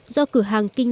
do cửa hàng kinh tế